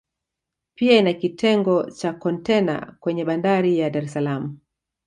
pia ina kitengo cha kontena kwenye Bandari ya Dar es Salaam